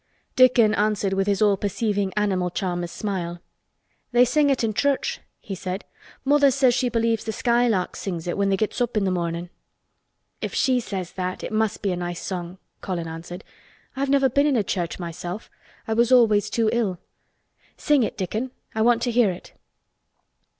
Dickon answered with his all perceiving animal charmer's smile. "They sing it i' church," he said. "Mother says she believes th' skylarks sings it when they gets up i' th' mornin'." "If she says that, it must be a nice song," Colin answered. "I've never been in a church myself. I was always too ill. Sing it, Dickon. I want to hear it."